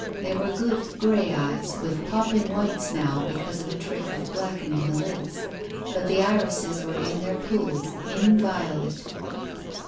They were good gray eyes with popping widtes now, because of a trick of blackening the lids. But the irises were in their pools, inviolate.